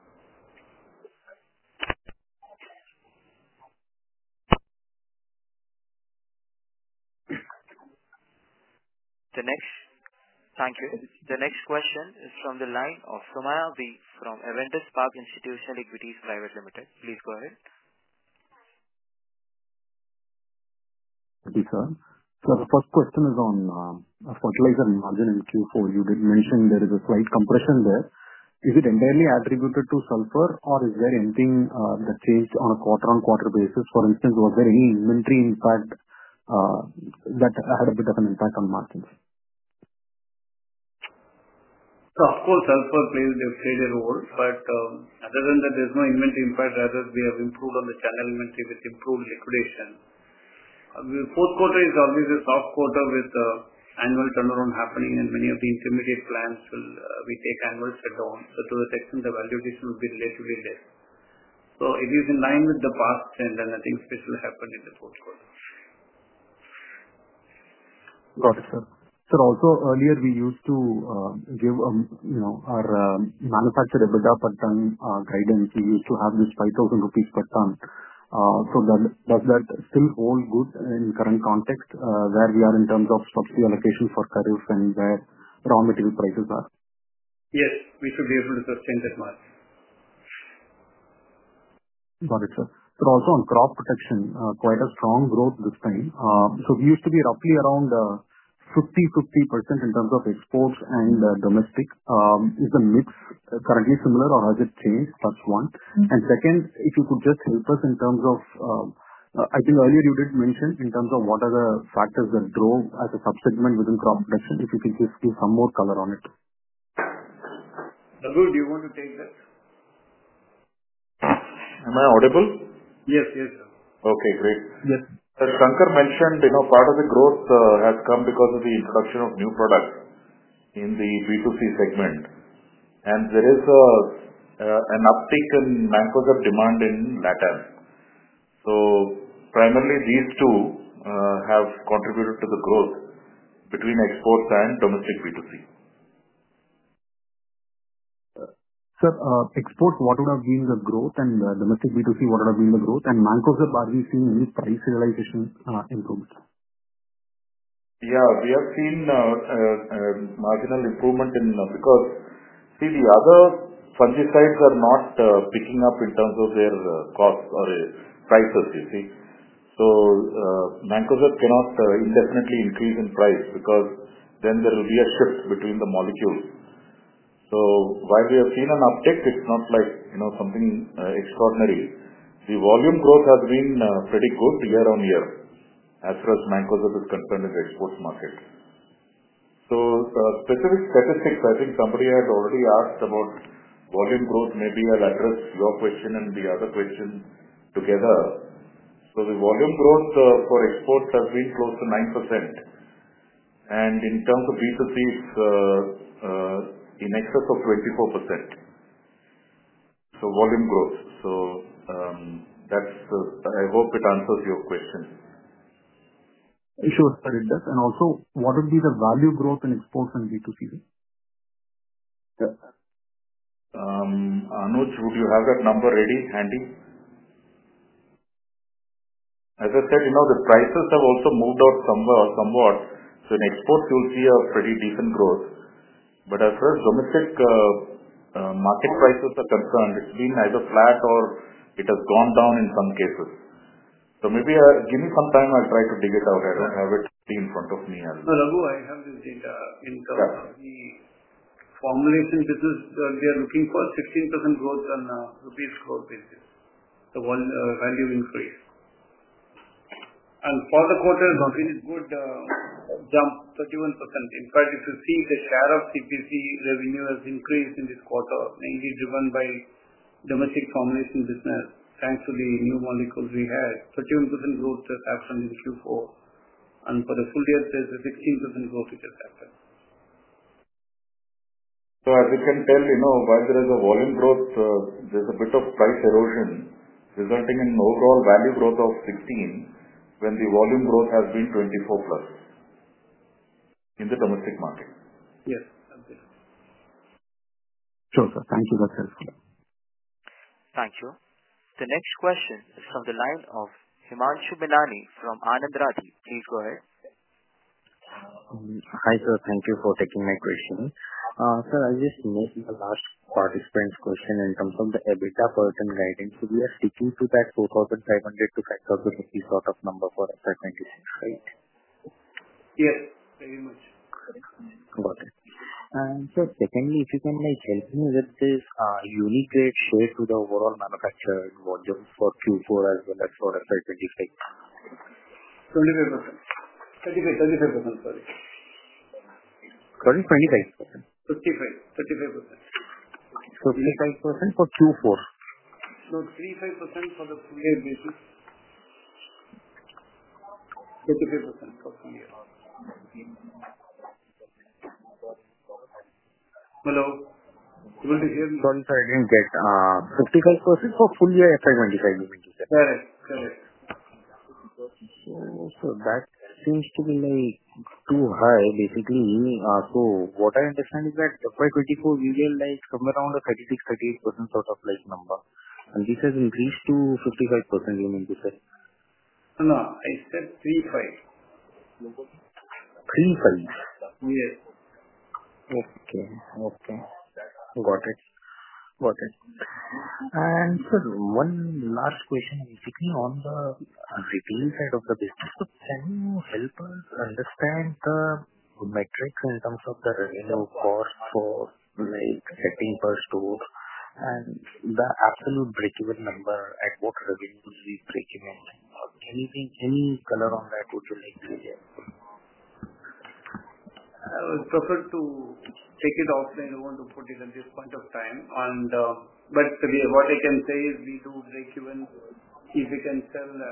Thank you. The next question is from the line of Somaiah V from Avendus Spark Institutional Equities. Please go ahead. Thank you, sir. The first question is on fertilizer margin in Q4. You did mention there is a slight compression there. Is it entirely attributed to sulfur, or is there anything that changed on a quarter-on-quarter basis? For instance, was there any inventory impact that had a bit of an impact on margins? Of course, sulfur plays the trade role, but other than that, there's no inventory impact. Rather, we have improved on the channel inventory with improved liquidation. The Q4 is always a soft quarter with annual turnaround happening, and many of the intermediate plants will take annual shutdown. To the extent, the valuation will be relatively less. It is in line with the past trend, and I think this will happen in the Q4. Got it, sir. Sir, also, earlier, we used to give our manufactured EBITDA per ton guidance. We used to have this 5,000 rupees per ton. Does that still hold good in current context where we are in terms of subsidy allocation for carriers and where raw material prices are? Yes. We should be able to sustain that margin. Got it, sir. Also on crop protection, quite a strong growth this time. We used to be roughly around 50%-50% in terms of exports and domestic. Is the mix currently similar, or has it changed? That is one. Second, if you could just help us in terms of I think earlier you did mention in terms of what are the factors that drove as a subsegment within crop protection, if you can just give some more color on it. Raghuram, do you want to take that? Am I audible? Yes. Yes, sir. Okay. Great. Yes. As Shankar mentioned, part of the growth has come because of the introduction of new products in the B2C segment, and there is an uptick in mancozeb demand in Latin America. Primarily, these two have contributed to the growth between exports and domestic B2C. Sir, exports, what would have been the growth, and domestic B2C, what would have been the growth? Mancozeb, are we seeing any price realization improvement? Yeah. We have seen marginal improvement in because, see, the other fungicides are not picking up in terms of their costs or prices, you see. Mancozeb cannot indefinitely increase in price because then there will be a shift between the molecules. While we have seen an uptick, it's not like something extraordinary. The volume growth has been pretty good year on year as far as manpower is concerned in the exports market. Specific statistics, I think somebody had already asked about volume growth. Maybe I'll address your question and the other question together. The volume growth for exports has been close to 9%. In terms of B2C, it's in excess of 24%. Volume growth. I hope it answers your question. Sure, sir. It does. Also, what would be the value growth in exports and B2C? Anuj, would you have that number ready, handy? As I said, the prices have also moved out somewhat, you will see a pretty decent growth in exports. As far as domestic market prices are concerned, it has been either flat or it has gone down in some cases. Maybe give me some time. I will try to dig it out. I do not have it in front of me.No, Raghuram, I have this data in terms of the formulation business. They are looking for 16% grow the on a rupees crore basis As you can tell, while there is a volume growth, there's a bit of price erosion resulting in overall value growth of 16% when the volume growth has been 24% plus in the domestic market. Yes. Okay. Sure, sir. Thank you. That's helpful. Thank you. The next question is from the line of Himanshu Binani from Anand Rathi. Please go ahead. Hi, sir. Thank you for taking my question. Sir, I just missed the last participant's question in terms of the EBITDA per ton guidance. We are sticking to that 2,500-5,000 rupees sort of number for FY 2026, right? Yes. Very much. Got it. Sir, secondly, if you can help me with this, unique grade share to the overall manufactured volume for Q4 as well as for FY 2025? 25%. 35%. Sorry. Sorry? 25%? 55. 35%. 25% for Q4? No. 35% for the full year basis. 35% for full year. Hello. You will hear me. Sorry, sir. I didn't get 55% for full year FY 2025, you mean to say? Correct. Correct. Sir, that seems to be too high, basically. What I understand is that FY 2024, we will come around a 36%-38% sort of number. This has increased to 55%, you mean to say? No. No. I said 35. 35? Yes. Okay. Okay. Got it. Got it. Sir, one last question, basically, on the retail side of the business. Can you help us understand the metrics in terms of the revenue cost for setting per store and the absolute break-even number at what revenues we break even? Any color on that would you like to share? I would prefer to take it off. I don't want to put it at this point of time. What I can say is we do break even if we can sell 2,000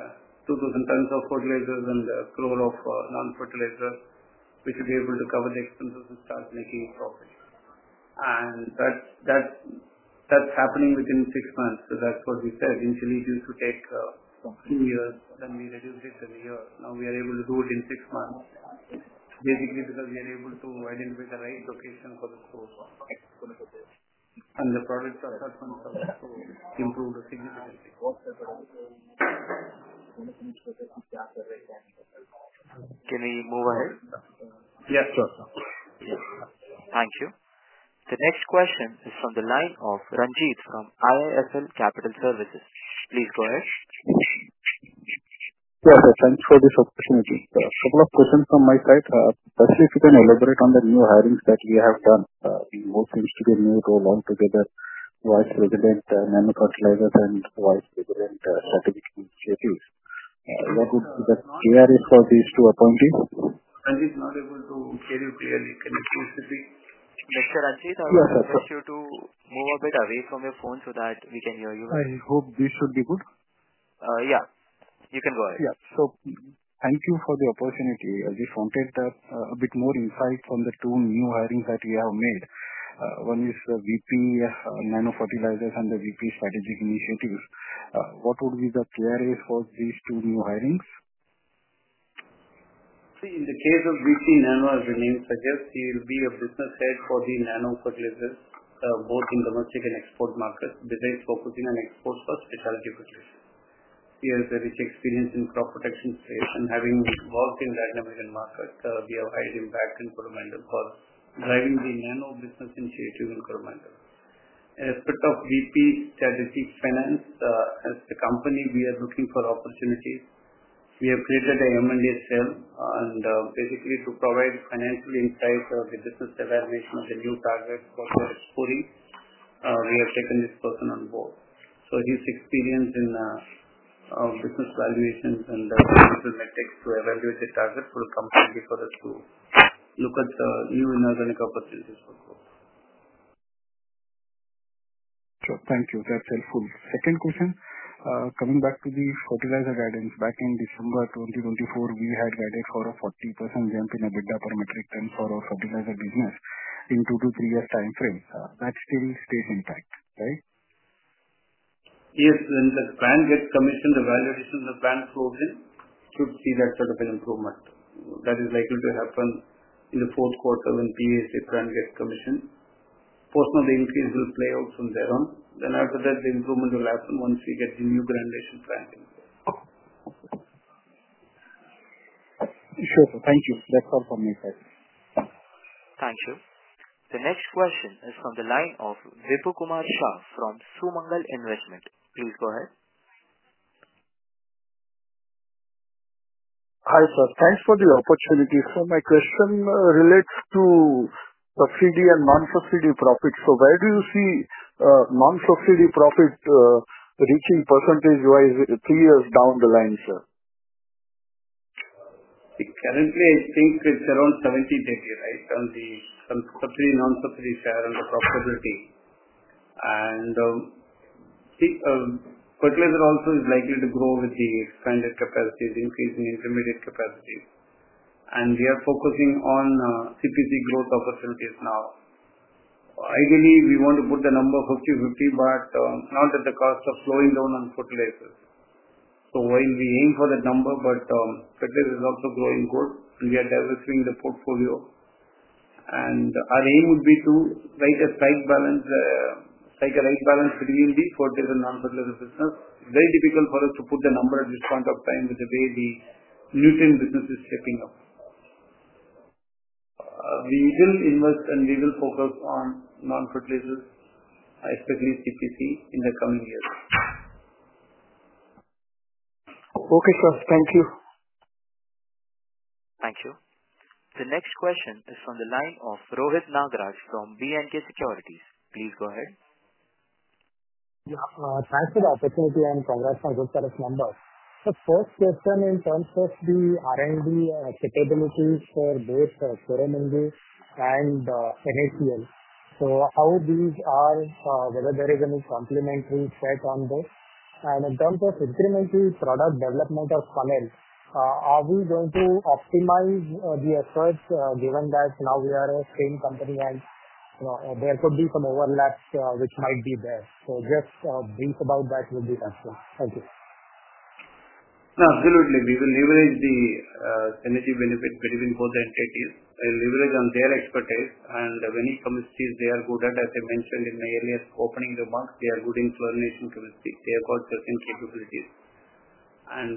tons of fertilizers and a crore of non-fertilizer, which would be able to cover the expenses and start making a profit. That is happening within six months. That is what we said. Initially, it used to take two years. We reduced it to a year. Now we are able to do it in six months, basically because we are able to identify the right location for the store. The product assessments have improved significantly. Can we move ahead? Yes. Sure, sir. Thank you. The next question is from the line of Ranjith from IIFL Capital Services. Please go ahead. Yes, sir. Thanks for this opportunity. A couple of questions from my side, especially if you can elaborate on the new hirings that we have done. We both seem to be new rolled on together, Vice President Manufacturing and Vice President Strategic Initiatives. What would be the KRAs for these two appointees? Ranjith is not able to hear you clearly. Can you please repeat? Yes, sir. Ranjith, I would like to ask you to move a bit away from your phone so that we can hear you. I hope this should be good. Yeah. You can go ahead. Yeah. Thank you for the opportunity. I just wanted a bit more insight from the two new hirings that we have made. One is VP Nano Fertilizers and the VP Strategic Initiatives. What would be the KRAs for these two new hirings? See, in the case of VP Nano, as the name suggests, he will be a business head for the Nano fertilizers, both in domestic and export markets, besides focusing on exports for specialty fertilizers. He has a rich experience in crop protection space and having worked in the Latin American market, we have hired him back in Coromandel for driving the Nano business initiative in Coromandel. In respect of VP Strategic Finance, as the company, we are looking for opportunities. We have created an M&A cell. Basically, to provide financial insight or the business evaluation of the new targets for the exporting, we have taken this person on board. He is experienced in business valuations and the technical metrics to evaluate the target for the company before looking at the new inorganic opportunities for growth. Sure. Thank you. That's helpful. Second question, coming back to the fertilizer guidance, back in December 2024, we had guided for a 40% jump in EBITDA per metric ton for our fertilizer business in two- to three-year time frame. That still stays intact, right? Yes. When the plant gets commissioned, the valuation of the plant closing should see that sort of an improvement. That is likely to happen in the Q4 when the PA/SA plant gets commissioned. Personally, the increase will play out on their own. After that, the improvement will happen once we get the new granulation plant in place. Sure, sir. Thank you. That's all from my side. Thank you. The next question is from the line of Vipul Shah from Sumangal Investment. Please go ahead. Hi, sir. Thanks for the opportunity. My question relates to subsidy and non-subsidy profits. Where do you see non-subsidy profit reaching percentage-wise three years down the line, sir? Currently, I think it's around 70/30, right, on the subsidy-non-subsidy share and the profitability. Fertilizer also is likely to grow with the expanded capacities, increasing intermediate capacities. We are focusing on CPC growth opportunities now. Ideally, we want to put the number 50/50, but not at the cost of slowing down on fertilizers. While we aim for that number, fertilizer is also growing good, and we are diversifying the portfolio. Our aim would be to write a right balance between the fertilizer-non-fertilizer business. It's very difficult for us to put the number at this point of time with the way the nutrient business is shaping up. We will invest and we will focus on non-fertilizers, especially CPC, in the coming years. Okay, sir. Thank you. Thank you. The next question is from the line of Rohit Nagraj from B & K Securities. Please go ahead. Yeah. Thanks for the opportunity and congrats on your Q4 numbers. The first question in terms of the R&D capabilities for both Sumangal and NACL. How these are, whether there is any complementary set on this. In terms of incremental product development of panel, are we going to optimize the efforts given that now we are a same company and there could be some overlap which might be there? Just brief about that would be helpful. Thank you. Absolutely. We will leverage the energy benefit between both entities. I'll leverage on their expertise. Of any chemistries they are good at, as I mentioned in my earlier opening remarks, they are good in fluorination chemistry. They have got certain capabilities.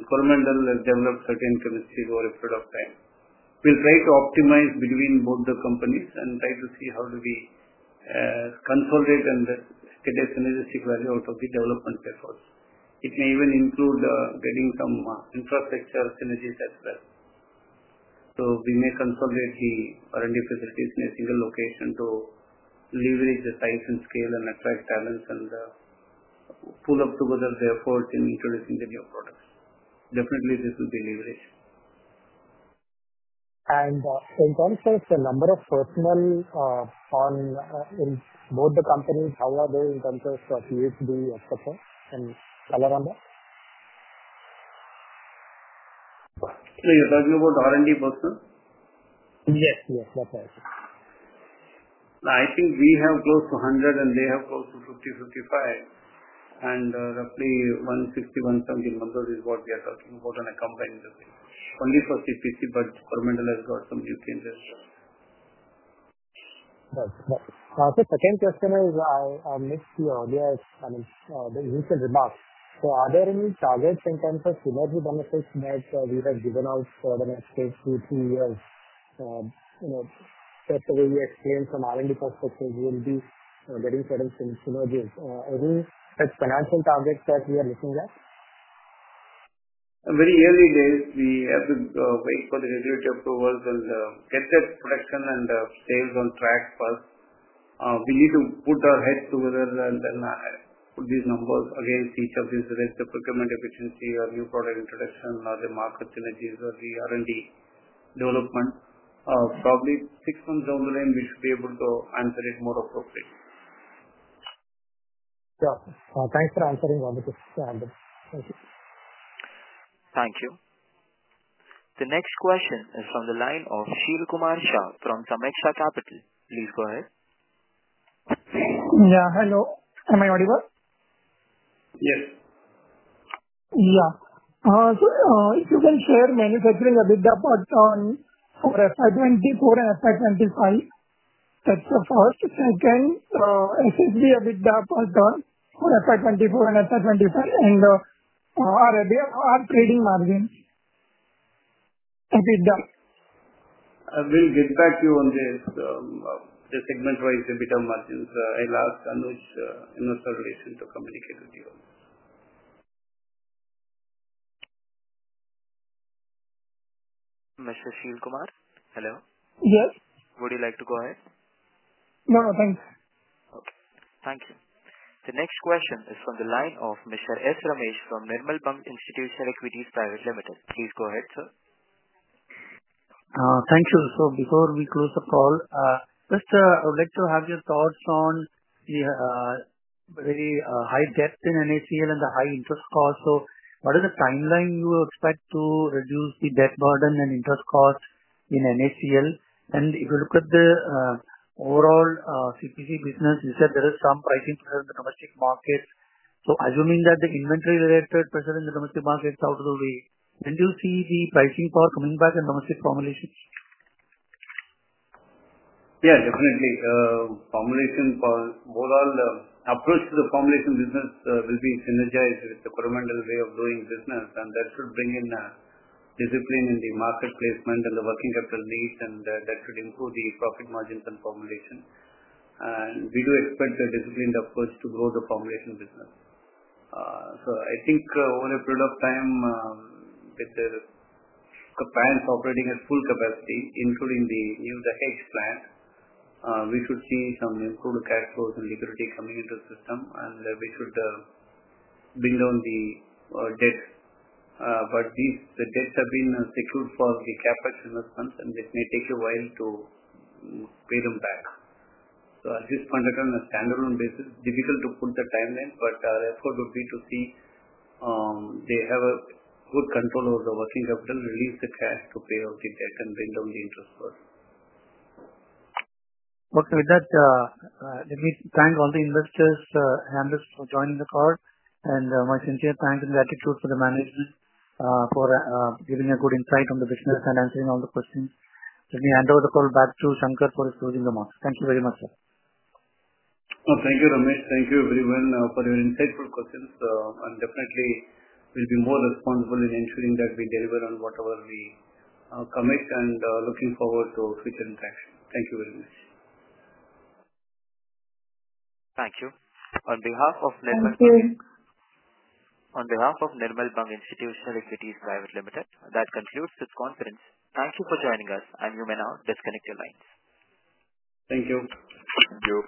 Coromandel has developed certain chemistries over a period of time. We'll try to optimize between both the companies and try to see how we consolidate and get a synergistic value out of the development efforts. It may even include getting some infrastructure synergies as well. We may consolidate the R&D facilities in a single location to leverage the size and scale and attract talents and pull up together the efforts in introducing the new products. Definitely, this will be leveraged. In terms of the number of personnel in both the companies, how are they in terms of PhD, etc., and color on that? You're talking about R&D personnel? Yes. Yes. That's right. I think we have close to 100 and they have close to 50-55. Roughly 160-170 numbers is what we are talking about on a combined thing. Only for CPC, but Coromandel has got some nutrients. Right. The second question is I missed your earlier remark. Are there any targets in terms of synergy benefits that we have given out for the next two, three years? Just the way you explained from R&D perspective, we will be getting certain synergies. Any such financial targets that we are looking at? Very early days. We have to wait for the regulatory approvals and get that production and sales on track first. We need to put our heads together and then put these numbers against each of these events: the procurement efficiency, or new product introduction, or the market synergies, or the R&D development. Probably six months down the line, we should be able to answer it more appropriately. Yeah. Thanks for answering all of this. Thank you. Thank you. The next question is from the line of Shilkumar Shah from Sameeksha Capital. Please go ahead. Yeah. Hello. Am I audible? Yes. Yeah. If you can share manufacturing EBITDA pattern for FY 2024 and FY 2025. That's the first. Second, SSP EBITDA pattern for FY 2024 and FY 2025 and our trading margin EBITDA. I will get back to you on the segment-wise EBITDA margins. I'll ask Anuj in a short lesson to communicate with you. Mr. Shilkumar? Hello? Yes. Would you like to go ahead? No. No. Thanks. Okay. Thank you. The next question is from the line of Mr. S. Ramesh from Nirmal Bang Institutional Equities Private Limited. Please go ahead, sir. Thank you. Before we close the call, I would like to have your thoughts on the very high debt in NACL and the high interest cost. What is the timeline you expect to reduce the debt burden and interest cost in NACL? If you look at the overall CPC business, you said there is some pricing pressure in the domestic markets. Assuming that the inventory-related pressure in the domestic markets is out of the way, when do you see the pricing power coming back in domestic formulations? Yeah. Definitely. Formulation power. Overall, the approach to the formulation business will be synergized with the Coromandel way of doing business. That should bring in discipline in the market placement and the working capital needs. That should improve the profit margins and formulation. We do expect a disciplined approach to grow the formulation business. I think over a period of time, with the plants operating at full capacity, including the new Tech plant, we should see some improved cash flows and liquidity coming into the system. We should bring down the debt. The debts have been secured for the CapEx investments, and it may take a while to pay them back. At this point, on a standalone basis, it's difficult to put the timeline, but our effort would be to see they have good control over the working capital, release the cash to pay off the debt, and bring down the interest burden. Okay. With that, let me thank all the investors, handlers for joining the call. My sincere thanks and gratitude for the management for giving a good insight on the business and answering all the questions. Let me hand over the call back to Shankar for his closing remarks. Thank you very much, sir. Thank you, Ramesh. Thank you, everyone, for your insightful questions. We will be more responsible in ensuring that we deliver on whatever we commit and looking forward to future interactions. Thank you very much. Thank you. On behalf of Nirmal Bang Institutional Equities Private Limited, that concludes this conference. Thank you for joining us. You may now disconnect your lines. Thank you. Thank you.